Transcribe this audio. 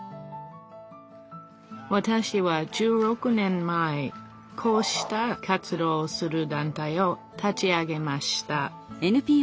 わたしは１６年前こうした活動をする団体を立ち上げました。